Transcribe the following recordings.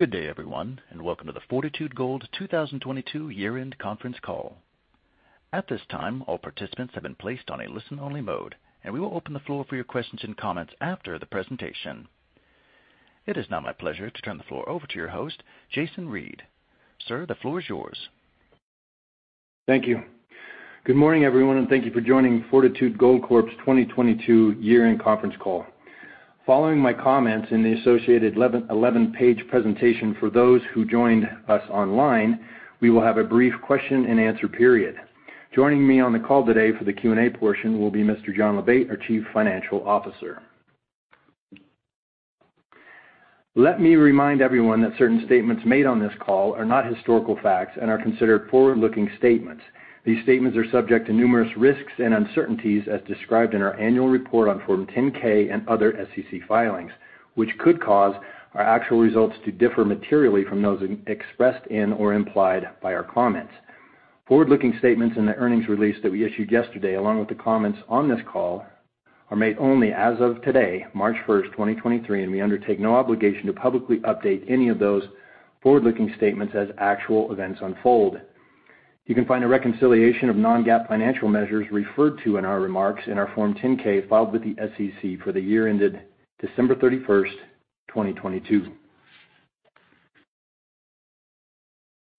Good day, everyone, and welcome to the Fortitude Gold 2022 year-end conference call. At this time, all participants have been placed on a listen-only mode, and we will open the floor for your questions and comments after the presentation. It is now my pleasure to turn the floor over to your host, Jason Reid. Sir, the floor is yours. Thank you. Good morning everyone and thank you for joining Fortitude Gold Corp's 2022 year-end conference call. Following my comments and the associated 11-page presentation for those who joined us online, we will have a brief question-and-answer period. Joining me on the call today for the Q&A portion will be Mr. John Labate, our Chief Financial Officer. Let me remind everyone that certain statements made on this call are not historical facts and are considered forward-looking statements. These statements are subject to numerous risks and uncertainties as described in our annual report on Form 10-K and other SEC filings, which could cause our actual results to differ materially from those expressed in or implied by our comments. Forward-looking statements in the earnings release that we issued yesterday, along with the comments on this call, are made only as of today, March 1st, 2023, and we undertake no obligation to publicly update any of those forward-looking statements as actual events unfold. You can find a reconciliation of non-GAAP financial measures referred to in our remarks in our Form 10-K filed with the SEC for the year ended December 31st, 2022.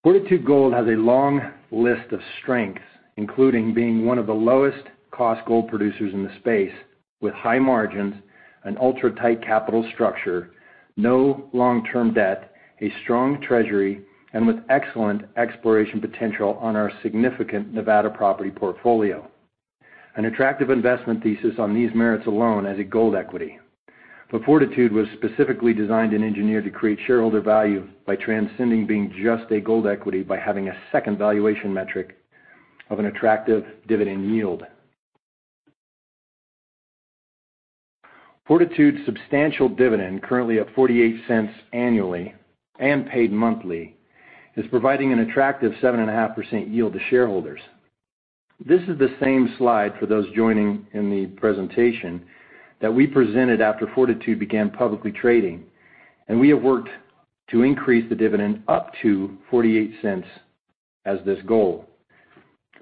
Fortitude Gold has a long list of strengths, including being one of the lowest cost gold producers in the space with high margins and ultra-tight capital structure, no long-term debt, a strong treasury, and with excellent exploration potential on our significant Nevada property portfolio. An attractive investment thesis on these merits alone as a gold equity. Fortitude was specifically designed and engineered to create shareholder value by transcending being just a gold equity by having a second valuation metric of an attractive dividend yield. Fortitude's substantial dividend, currently at $0.48 annually and paid monthly, is providing an attractive 7.5% yield to shareholders. This is the same slide for those joining in the presentation that we presented after Fortitude began publicly trading, and we have worked to increase the dividend up to $0.48 as this goal.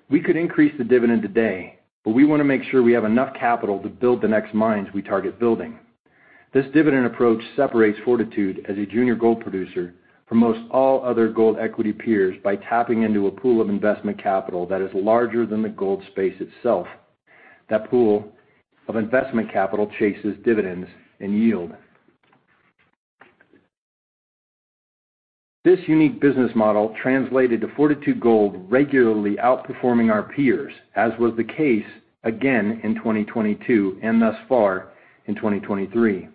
We could increase the dividend today, but we want to make sure we have enough capital to build the next mines we target building. This dividend approach separates Fortitude as a junior gold producer for most all other gold equity peers by tapping into a pool of investment capital that is larger than the gold space itself. That pool of investment capital chases dividends and yield. This unique business model translated to Fortitude Gold regularly outperforming our peers, as was the case again in 2022 and thus far in 2023.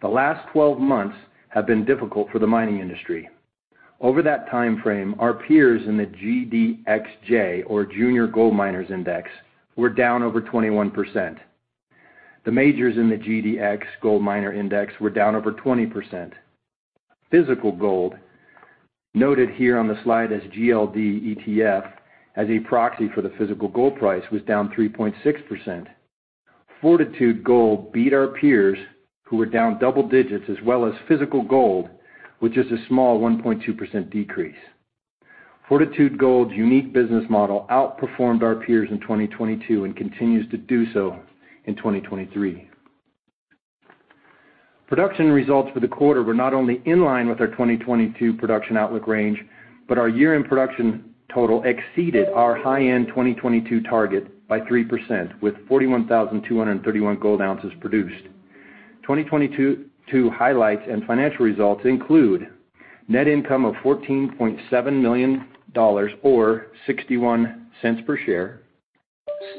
The last 12 months have been difficult for the mining industry. Over that time frame, our peers in the GDXJ or Junior Gold Miners Index were down over 21%. The majors in the GDX Gold Miner Index were down over 20%. Physical gold, noted here on the slide as GLD ETF as a proxy for the physical gold price, was down 3.6%. Fortitude Gold beat our peers who were down double digits as well as physical gold which is a small 1.2% decrease. Fortitude Gold's unique business model outperformed our peers in 2022 and continues to do so in 2023. Production results for the quarter were not only in line with our 2022 production outlook range, but our year-end production total exceeded our high-end 2022 target by 3%, with 41,231 gold ounces produced. 2022 highlights and financial results include net income of $14.7 million or $0.61 per share,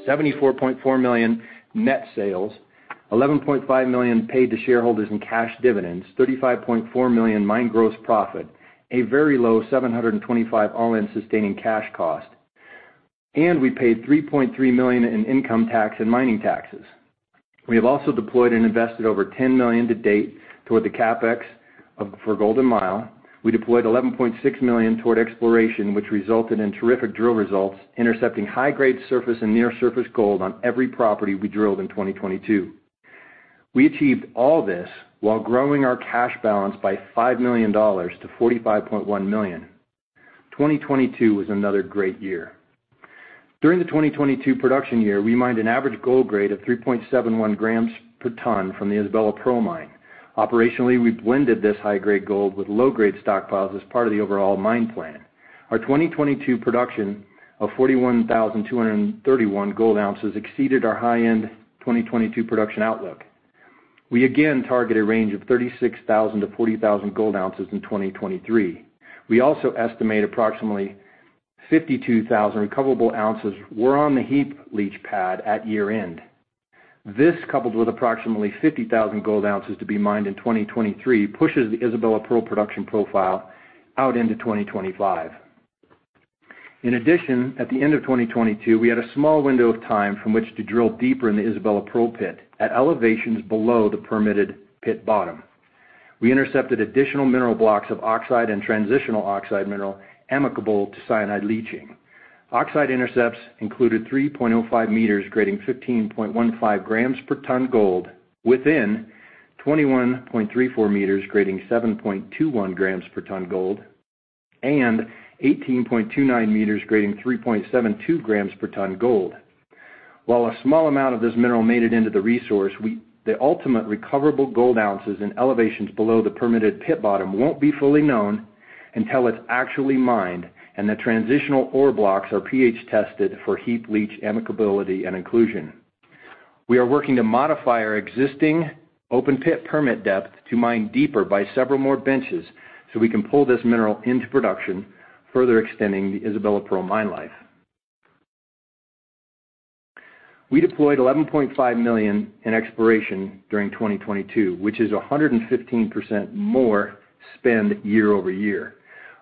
$74.4 million net sales, $11.5 million paid to shareholders in cash dividends, $35.4 million mine gross profit, a very low $725 all-in sustaining cash cost and we paid $3.3 million in income tax and mining taxes. We have also deployed and invested over $10 million to date toward the CapEx for Golden Mile. We deployed $11.6 million toward exploration which resulted in terrific drill results, intercepting high-grade surface and near-surface gold on every property we drilled in 2022. We achieved all this while growing our cash balance by $5 million to $45.1 million. 2022 was another great year. During the 2022 production year, we mined an average gold grade of 3.71 grams per ton from the Isabella Pearl mine. Operationally, we blended this high-grade gold with low-grade stockpiles as part of the overall mine plan. Our 2022 production of 41,231 gold ounces exceeded our high-end 2022 production outlook. We again target a range of 36,000-40,000 gold ounces in 2023. We also estimate approximately 52,000 recoverable ounces were on the heap leach pad at year-end. This, coupled with approximately 50,000 gold ounces to be mined in 2023, pushes the Isabella Pearl production profile out into 2025. At the end of 2022, we had a small window of time from which to drill deeper in the Isabella Pearl pit at elevations below the permitted pit bottom. We intercepted additional mineral blocks of oxide and transitional oxide mineral amicable to cyanide leaching. Oxide intercepts included 3.05 meters grading 15.15 grams per ton gold within 21.34 meters grading 7.21 grams per ton gold and 18.29 meters grading 3.72 grams per ton gold. While a small amount of this mineral made it into the resource, the ultimate recoverable gold ounces in elevations below the permitted pit bottom won't be fully known until it's actually mined and the transitional ore blocks are pH tested for heap leach amicability and inclusion. We are working to modify our existing open pit permit depth to mine deeper by several more benches so we can pull this mineral into production, further extending the Isabella Pearl mine life. We deployed $11.5 million in exploration during 2022, which is 115% more spend year-over-year.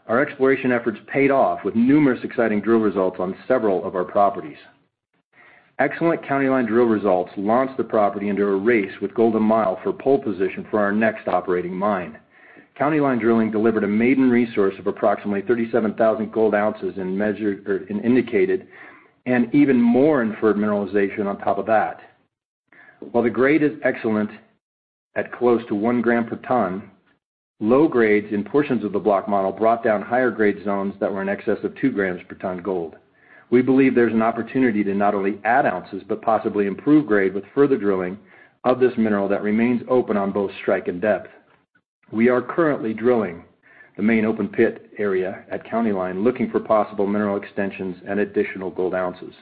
Our exploration efforts paid off with numerous exciting drill results on several of our properties. Excellent County Line drill results launched the property into a race with Golden Mile for pole position for our next operating mine. County Line drilling delivered a maiden resource of approximately 37,000 gold ounces in measured or in indicated, and even more inferred mineralization on top of that. While the grade is excellent at close to 1 gram per ton, low grades in portions of the block model brought down higher grade zones that were in excess of 2 grams per ton gold. We believe there's an opportunity to not only add ounces, but possibly improve grade with further drilling of this mineral that remains open on both strike and depth. We are currently drilling the main open pit area at County Line, looking for possible mineral extensions and additional gold ounces.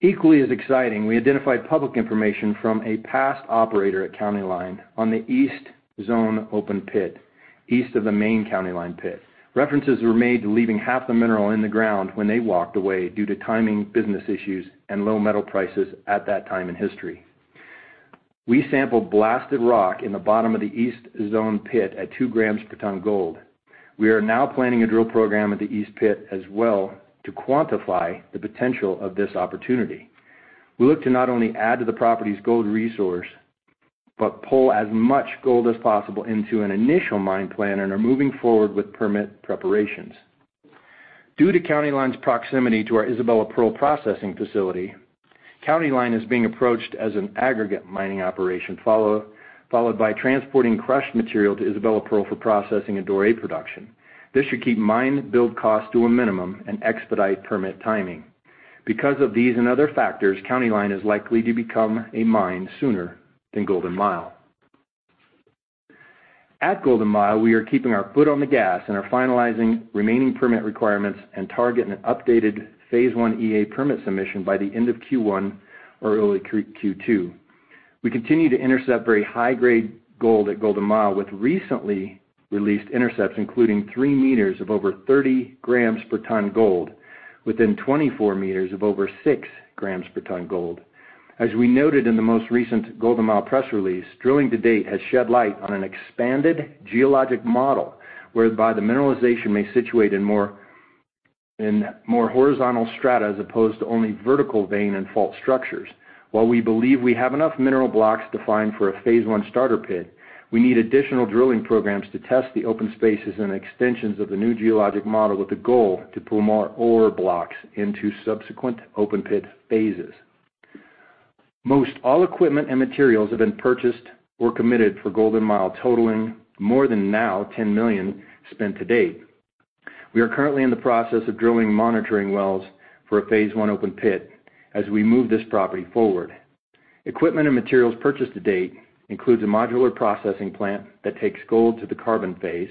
Equally as exciting, we identified public information from a past operator at County Line on the East Zone open pit, east of the main County Line pit. References were made to leaving half the mineral in the ground when they walked away due to timing, business issues, and low metal prices at that time in history. We sampled blasted rock in the bottom of the East Zone pit at 2 grams per ton gold. We are now planning a drill program at the East pit as well to quantify the potential of this opportunity. We look to not only add to the property's gold resource, but pull as much gold as possible into an initial mine plan and are moving forward with permit preparations. Due to County Line's proximity to our Isabella Pearl processing facility, County Line is being approached as an aggregate mining operation followed by transporting crushed material to Isabella Pearl for processing and doré production. This should keep mine build cost to a minimum and expedite permit timing. Because of these and other factors, County Line is likely to become a mine sooner than Golden Mile. At Golden Mile, we are keeping our foot on the gas and are finalizing remaining permit requirements and targeting an updated phase 1 EA permit submission by the end of Q1 or early Q2. We continue to intercept very high-grade gold at Golden Mile with recently released intercepts, including three meters of over 30 grams per ton gold within 24 meters of over 6 grams per ton gold. As we noted in the most recent Golden Mile press release, drilling to date has shed light on an expanded geologic model whereby the mineralization may situate in more horizontal strata as opposed to only vertical vein and fault structures. While we believe we have enough mineral blocks defined for a phase one starter pit, we need additional drilling programs to test the open spaces and extensions of the new geologic model with the goal to pull more ore blocks into subsequent open pit phases. Most all equipment and materials have been purchased or committed for Golden Mile, totaling more than now $10 million spent to date. We are currently in the process of drilling monitoring wells for a phase one open pit as we move this property forward. Equipment and materials purchased to date includes a modular processing plant that takes gold to the carbon phase,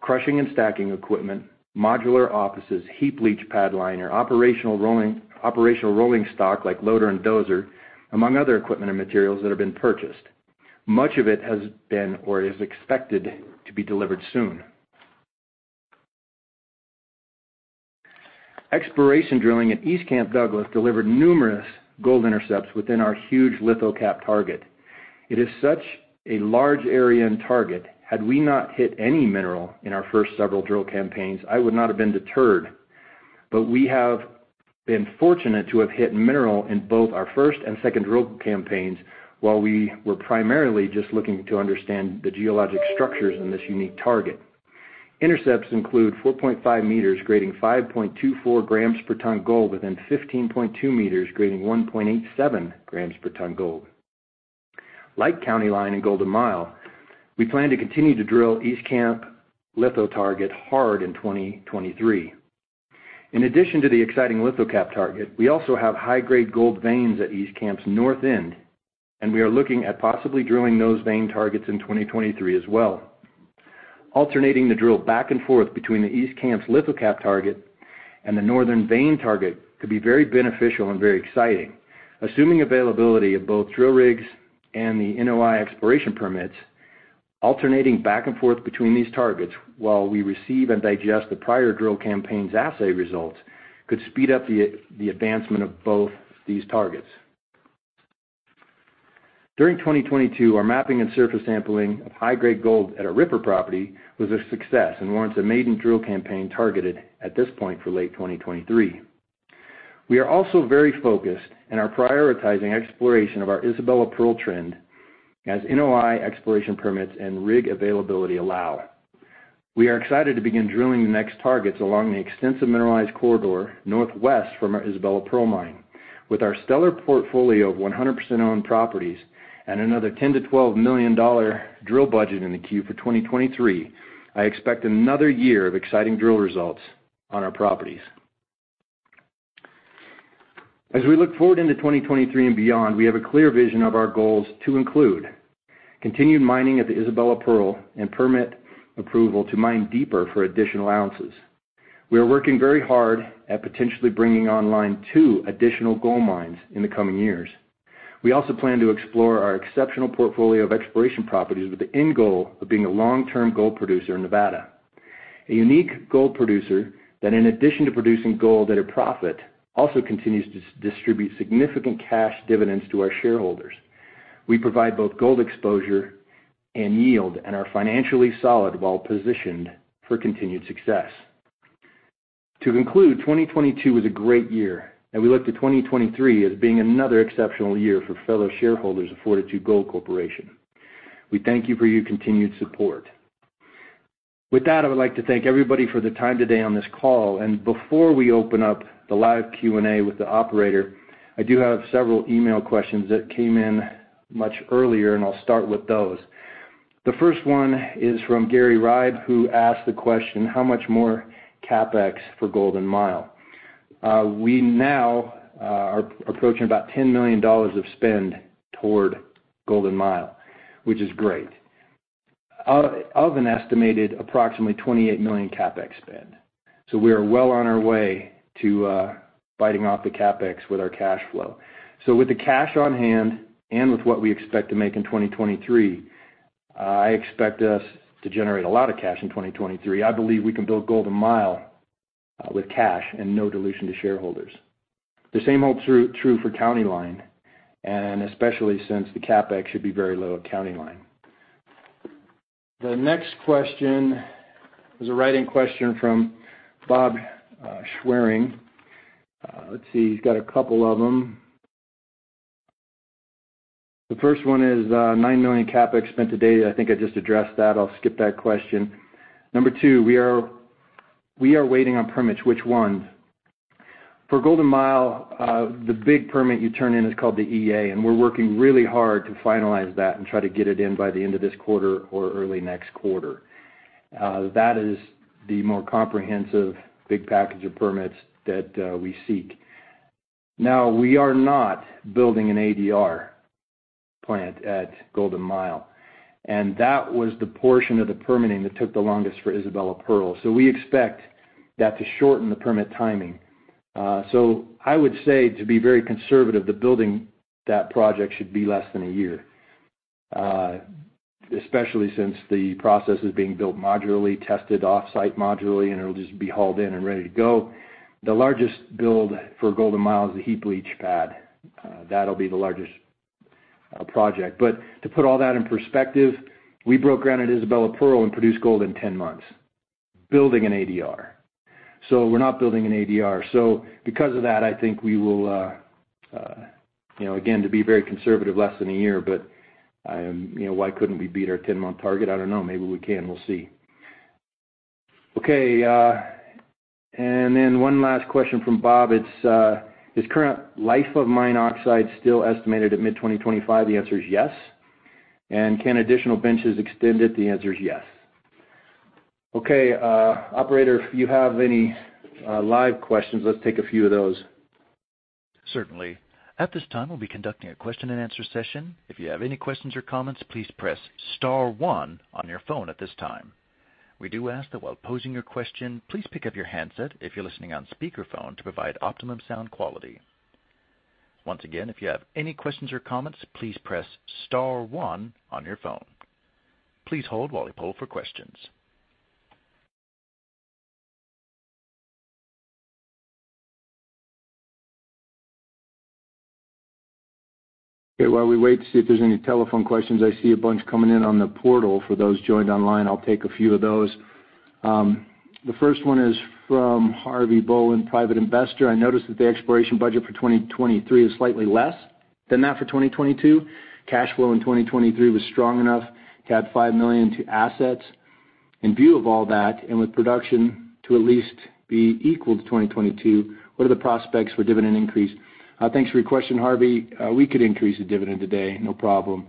crushing and stacking equipment, modular offices, heap leach pad liner, operational rolling stock like loader and dozer, among other equipment and materials that have been purchased. Much of it has been or is expected to be delivered soon. Exploration drilling at East Camp Douglas delivered numerous gold intercepts within our huge lithocap target. It is such a large area and target, had we not hit any mineral in our first several drill campaigns, I would not have been deterred. We have been fortunate to have hit mineral in both our first and second drill campaigns, while we were primarily just looking to understand the geologic structures in this unique target. Intercepts include 4.5 meters grading 5.24 grams per ton gold within 15.2 meters grading 1.87 grams per ton gold. Like County Line and Golden Mile, we plan to continue to drill East Camp litho target hard in 2023. In addition to the exciting lithocap target, we also have high-grade gold veins at East Camp's north end. We are looking at possibly drilling those vein targets in 2023 as well. Alternating the drill back and forth between the East Camp's lithocap target and the northern vein target could be very beneficial and very exciting. Assuming availability of both drill rigs and the NOI exploration permits, alternating back and forth between these targets while we receive and digest the prior drill campaign's assay results could speed up the advancement of both these targets. During 2022, our mapping and surface sampling of high-grade gold at our Ripper property was a success and warrants a maiden drill campaign targeted at this point for late 2023. We are also very focused and are prioritizing exploration of our Isabella Pearl trend as NOI exploration permits and rig availability allow. We are excited to begin drilling the next targets along the extensive mineralized corridor northwest from our Isabella Pearl mine. With our stellar portfolio of 100% owned properties and another $10 million-$12 million drill budget in the queue for 2023, I expect another year of exciting drill results on our properties. We look forward into 2023 and beyond, we have a clear vision of our goals to include continued mining at the Isabella Pearl and permit approval to mine deeper for additional ounces. We are working very hard at potentially bringing online two additional gold mines in the coming years. We also plan to explore our exceptional portfolio of exploration properties with the end goal of being a long-term gold producer in Nevada, a unique gold producer that, in addition to producing gold at a profit, also continues to distribute significant cash dividends to our shareholders. We provide both gold exposure and yield and are financially solid while positioned for continued success. To conclude, 2022 was a great year. We look to 2023 as being another exceptional year for fellow shareholders of Fortitude Gold Corporation. We thank you for your continued support. With that, I would like to thank everybody for their time today on this call. Before we open up the live Q&A with the operator, I do have several email questions that came in much earlier, and I'll start with those. The first one is from Gary Ribe, who asked the question, how much more CapEx for Golden Mile? We now are approaching about $10 million of spend toward Golden Mile, which is great, out of an estimated approximately $28 million CapEx spend. We are well on our way to biting off the CapEx with our cash flow. With the cash on hand and with what we expect to make in 2023, I expect us to generate a lot of cash in 2023. I believe we can build Golden Mile with cash and no dilution to shareholders. The same holds true for County Line, and especially since the CapEx should be very low at County Line. The next question is a write-in question from Bob Schwering. Let's see, he's got a couple of them. The first one is $9 million CapEx spent to date. I think I just addressed that. I'll skip that question. Number two, we are waiting on permits. Which ones? For Golden Mile, the big permit you turn in is called the EA, and we're working really hard to finalize that and try to get it in by the end of this quarter or early next quarter. That is the more comprehensive big package of permits that we seek. Now, we are not building an ADR plant at Golden Mile, and that was the portion of the permitting that took the longest for Isabella Pearl. We expect that to shorten the permit timing. I would say, to be very conservative, that building that project should be less than a year, especially since the process is being built modularly, tested off-site modularly, and it'll just be hauled in and ready to go. The largest build for Golden Mile is the heap leach pad. That'll be the largest project. To put all that in perspective, we broke ground at Isabella Pearl and produced gold in 10 months, building an ADR. We're not building an ADR. Because of that, I think we will, you know, again, to be very conservative, less than a year. You know, why couldn't we beat our 10-month target? I don't know. Maybe we can. We'll see. One last question from Bob. It's, is current life of mine oxide still estimated at mid-2025? The answer is yes. Can additional benches extend it? The answer is yes. Okay, operator, if you have any live questions, let's take a few of those. Certainly. At this time, we'll be conducting a question-and-answer session. If you have any questions or comments, please press star one on your phone at this time. We do ask that while posing your question, please pick up your handset if you're listening on speakerphone to provide optimum sound quality. Once again, if you have any questions or comments, please press star one on your phone. Please hold while we poll for questions. While we wait to see if there's any telephone questions, I see a bunch coming in on the portal for those joined online. I'll take a few of those. The first one is from Harvey Boland, private investor. I noticed that the exploration budget for 2023 is slightly less than that for 2022. Cash flow in 2023 was strong enough to add $5 million to assets. In view of all that, with production to at least be equal to 2022, what are the prospects for dividend increase? Thanks for your question, Harvey. We could increase the dividend today, no problem,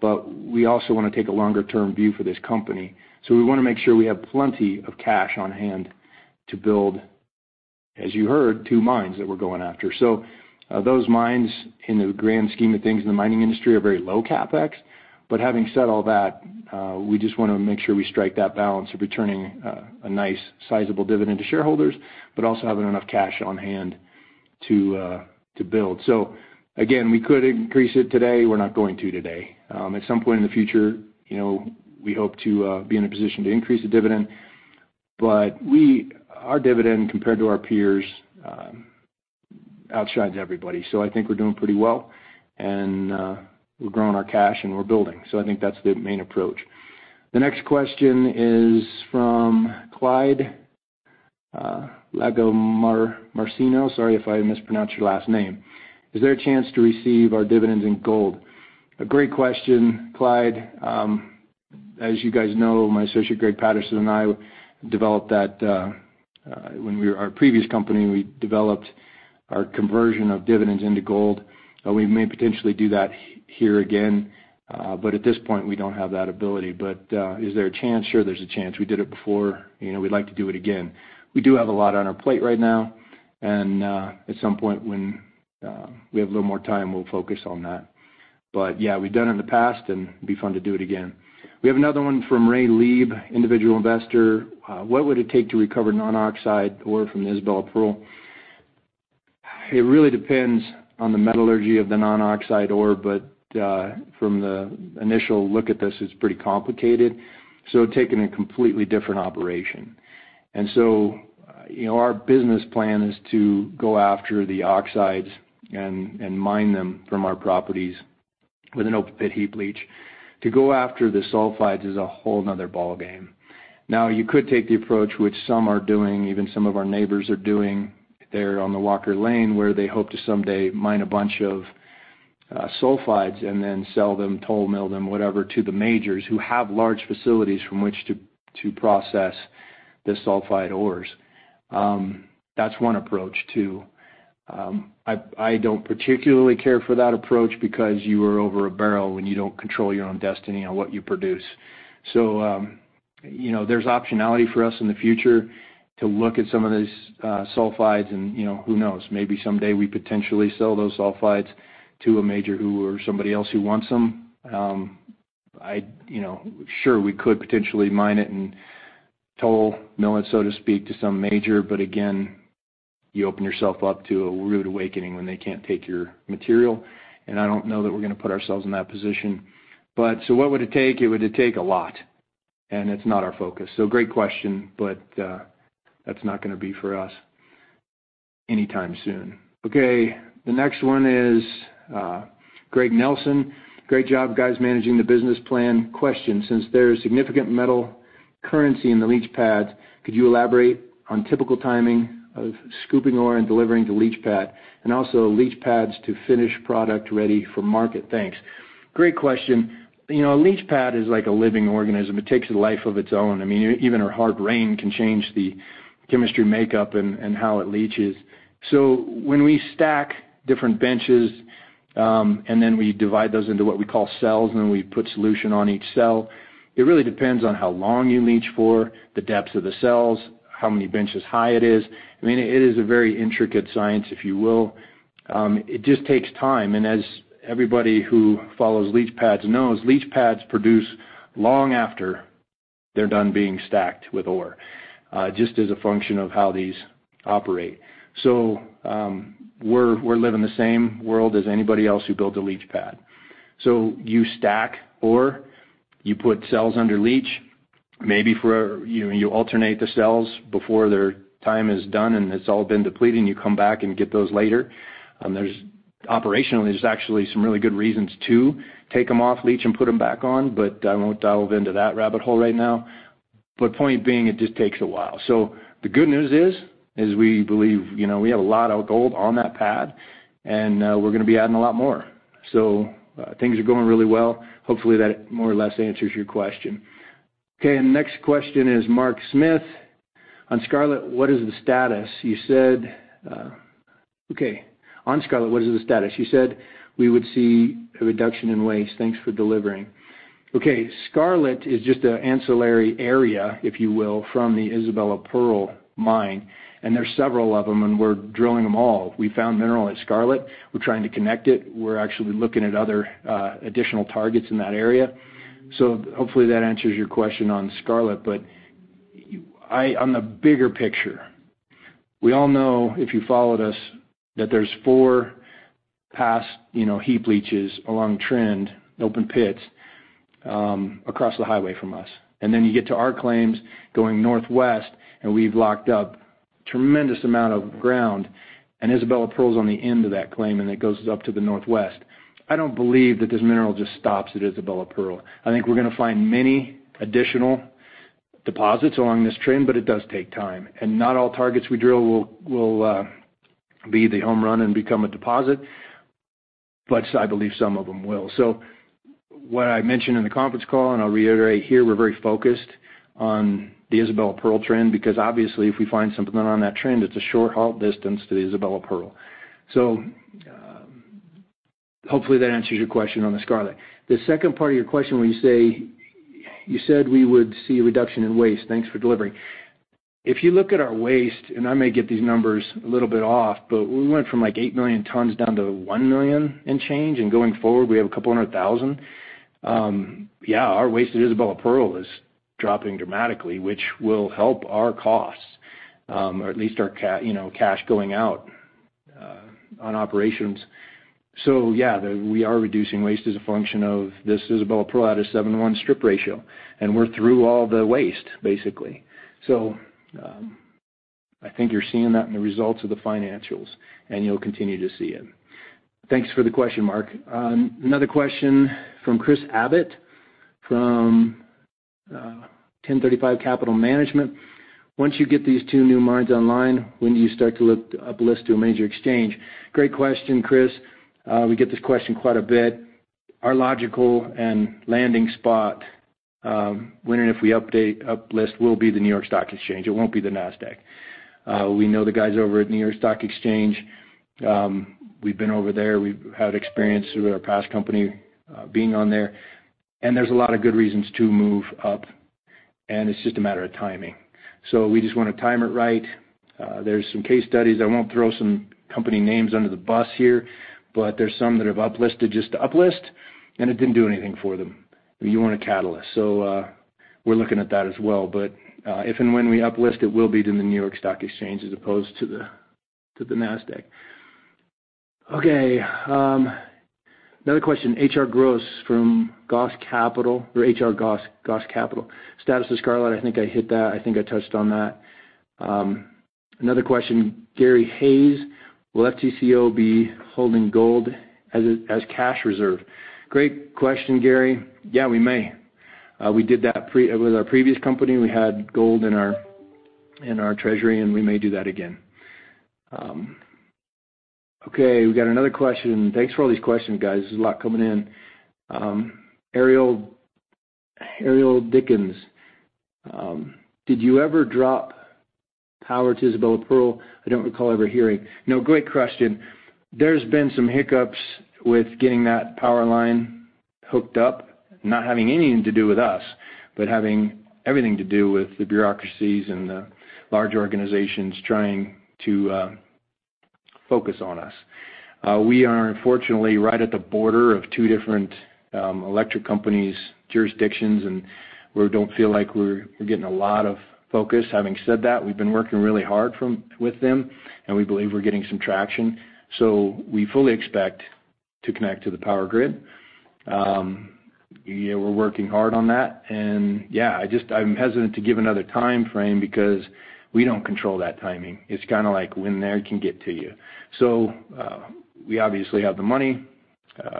but we also wanna take a longer-term view for this company. We wanna make sure we have plenty of cash on hand to build, as you heard, two mines that we're going after. Those mines, in the grand scheme of things in the mining industry, are very low CapEx. Having said all that, we just wanna make sure we strike that balance of returning a nice sizable dividend to shareholders, but also having enough cash on hand to build. Again, we could increase it today. We're not going to today. At some point in the future, you know, we hope to be in a position to increase the dividend. Our dividend, compared to our peers, outshines everybody. I think we're doing pretty well, and we're growing our cash and we're building. I think that's the main approach. The next question is from Clyde Lagomarcino. Sorry if I mispronounced your last name. Is there a chance to receive our dividends in gold? A great question, Clyde. As you guys know, my associate, Greg Patterson, and I developed that when we were our previous company, we developed our conversion of dividends into gold. We may potentially do that here again. At this point, we don't have that ability. Is there a chance? Sure, there's a chance. We did it before, and we'd like to do it again. We do have a lot on our plate right now, and at some point, when we have a little more time, we'll focus on that. Yeah, we've done it in the past, and it'd be fun to do it again. We have another one from Ray Lieb, individual investor. What would it take to recover non-oxide ore from Isabella Pearl? It really depends on the metallurgy of the non-oxide ore, but, from the initial look at this, it's pretty complicated, so taking a completely different operation. You know, our business plan is to go after the oxides and mine them from our properties with an open pit heap leach. To go after the sulfides is a whole another ballgame. You could take the approach which some are doing, even some of our neighbors are doing there on the Walker Lane, where they hope to someday mine a bunch of sulfides and then sell them, toll mill them, whatever, to the majors who have large facilities from which to process the sulfide ores. That's one approach too. I don't particularly care for that approach because you are over a barrel when you don't control your own destiny on what you produce. You know, there's optionality for us in the future to look at some of these sulfides and, you know, who knows? Maybe someday we potentially sell those sulfides to a major who or somebody else who wants them. I, you know, sure, we could potentially mine it and toll mill it, so to speak, to some major. Again, you open yourself up to a rude awakening when they can't take your material. I don't know that we're gonna put ourselves in that position. What would it take? It would take a lot, and it's not our focus. Great question, but that's not gonna be for us anytime soon. The next one is Greg Nelson. Great job, guys, managing the business plan. Question, since there's significant metal currency in the leach pads, could you elaborate on typical timing of scooping ore and delivering to leach pad and also leach pads to finish product ready for market? Thanks. Great question. You know, a leach pad is like a living organism. It takes a life of its own. I mean, even a hard rain can change the chemistry makeup and how it leaches. When we stack different benches, and then we divide those into what we call cells, and then we put solution on each cell, it really depends on how long you leach for, the depth of the cells, how many benches high it is. I mean it is a very intricate science, if you will. It just takes time. As everybody who follows leach pads knows, leach pads produce long after they're done being stacked with ore, just as a function of how these operate. We're living the same world as anybody else who built a leach pad. You stack ore, you put cells under leach, maybe for, you know, you alternate the cells before their time is done, and it's all been depleted, and you come back and get those later. Operationally, there's actually some really good reasons to take them off leach and put them back on. I won't dive into that rabbit hole right now. Point being, it just takes a while. The good news is we believe, you know, we have a lot of gold on that pad and we're gonna be adding a lot more. Things are going really well. Hopefully, that more or less answers your question. Next question is Mark Smith. On Scarlet, what is the status? You said, on Scarlet, what is the status? You said we would see a reduction in waste. Thanks for delivering. Scarlet is just an ancillary area if you will, from the Isabella Pearl mine, and there's several of them and we're drilling them all. We found mineral at Scarlet. We're trying to connect it. We're actually looking at other, additional targets in that area. Hopefully, that answers your question on Scarlet. On the bigger picture, we all know if you followed us that there's four past, you know, heap leaches along trend, open pits, across the highway from us. Then you get to our claims going northwest and we've locked up tremendous amount of ground. Isabella Pearl is on the end of that claim and it goes up to the northwest. I don't believe that this mineral just stops at Isabella Pearl. I think we're gonna find many additional deposits along this trend, but it does take time. Not all targets we drill will be the home run and become a deposit, but I believe some of them will. What I mentioned in the conference call, and I'll reiterate here, we're very focused on the Isabella Pearl trend because obviously if we find something on that trend, it's a short halt distance to the Isabella Pearl. Hopefully, that answers your question on the Scarlet. The second part of your question where you say, you said we would see a reduction in waste. Thanks for delivering. If you look at our waste, and I may get these numbers a little bit off, but we went from, like, eight million tons down to one million and change, and going forward, we have a couple hundred thousand. Yeah, our waste at Isabella Pearl is dropping dramatically, which will help our costs, or at least our you know, cash going out on operations. Yeah, we are reducing waste as a function of this Isabella Pearl at a 7 to 1 strip ratio, and we're through all the waste, basically. I think you're seeing that in the results of the financials, and you'll continue to see it. Thanks for the question, Mark. Another question from Chris Abbott from 1035 Capital Management. Once you get these two new mines online, when do you start to look uplist to a major exchange? Great question, Chris. We get this question quite a bit. Our logical and landing spot, when and if we uplist will be the New York Stock Exchange. It won't be the Nasdaq. We know the guys over at New York Stock Exchange. We've been over there. We've had experience with our past company, being on there, and there's a lot of good reasons to move up, and it's just a matter of timing. We just wanna time it right. There's some case studies, I won't throw some company names under the bus here, but there's some that have uplisted just to uplist, and it didn't do anything for them. You want a catalyst. We're looking at that as well. If and when we uplist, it will be in the New York Stock Exchange as opposed to the Nasdaq. Another question. H.R. Goss from Goss Capital or H.R. Goss Capital. Status of Scarlet. I think I hit that. I think I touched on that. Another question, Gary Hayes. Will FTCO be holding gold as cash reserve? Great question, Gary. Yeah, we may. We did that with our previous company, we had gold in our treasury, and we may do that again. We got another question. Thanks for all these questions, guys. There's a lot coming in. Ariel Dickins. Did you ever drop power to Isabella Pearl? I don't recall ever hearing. No, great question. There's been some hiccups with getting that power line hooked up, not having anything to do with us, but having everything to do with the bureaucracies and the large organizations trying to focus on us. We are unfortunately right at the border of two different electric companies' jurisdictions, and we don't feel like we're getting a lot of focus. Having said that, we've been working really hard with them, and we believe we're getting some traction. We fully expect to connect to the power grid. Yeah, we're working hard on that. Yeah, I'm hesitant to give another timeframe because we don't control that timing. It's kinda like when there can get to you. We obviously have the money.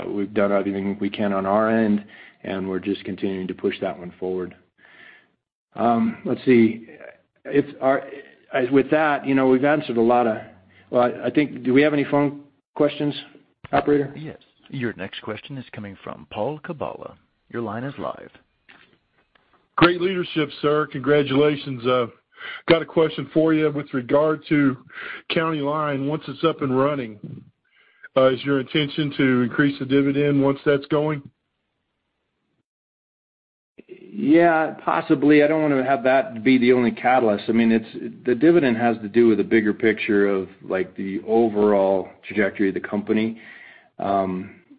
We've done everything we can on our end, and we're just continuing to push that one forward. Let's see. As with that, you know, we've answered a lot, well, I think do we have any phone questions, operator? Yes. Your next question is coming from Paul Kabala. Your line is live. Great leadership, sir. Congratulations. Got a question for you with regard to County Line. Once it's up and running, is your intention to increase the dividend once that's going? Yeah, possibly. I don't wanna have that be the only catalyst. I mean the dividend has to do with the bigger picture of, like, the overall trajectory of the company.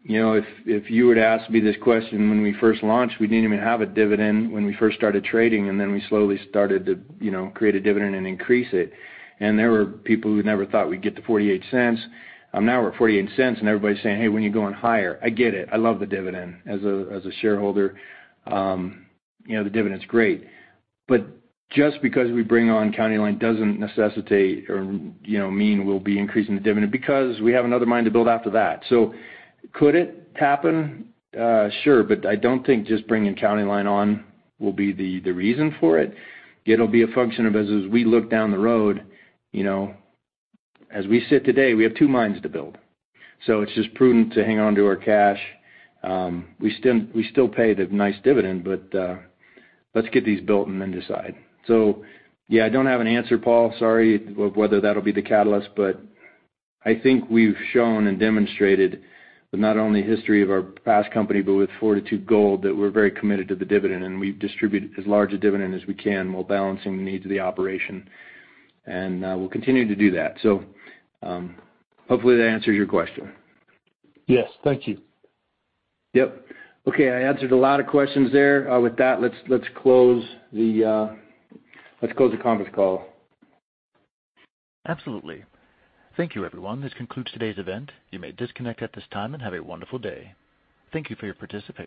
You know, if you were to ask me this question when we first launched, we didn't even have a dividend when we first started trading, then we slowly started to, you know, create a dividend and increase it. There were people who never thought we'd get to $0.48. Now we're at $0.48, everybody's saying, "Hey, when you going higher?" I get it. I love the dividend. As a shareholder, you know, the dividend's great. Just because we bring on County Line doesn't necessitate or, you know, mean we'll be increasing the dividend because we have another mine to build after that. Could it happen? Sure, but I don't think just bringing County Line on will be the reason for it. It'll be a function of as we look down the road, you know, as we sit today, we have two mines to build. It's just prudent to hang on to our cash. We still pay the nice dividend, but let's get these built and then decide. Yeah, I don't have an answer, Paul, sorry, of whether that'll be the catalyst, but I think we've shown and demonstrated with not only history of our past company but with Fortitude Gold, that we're very committed to the dividend, and we distribute as large a dividend as we can while balancing the needs of the operation. We'll continue to do that. Hopefully that answers your question. Yes. Thank you. Yep. Okay, I answered a lot of questions there. With that, let's close the conference call. Absolutely. Thank you, everyone. This concludes today's event. You may disconnect at this time and have a wonderful day. Thank you for your participation.